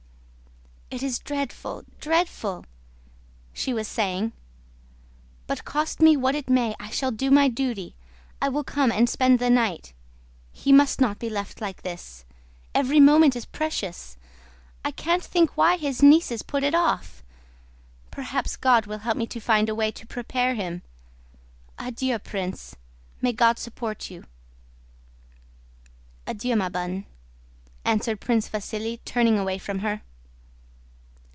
"It is dreadful, dreadful!" she was saying, "but cost me what it may I shall do my duty. I will come and spend the night. He must not be left like this. Every moment is precious. I can't think why his nieces put it off. Perhaps God will help me to find a way to prepare him!... Adieu, Prince! May God support you..." "Adieu, ma bonne," answered Prince Vasíli turning away from her.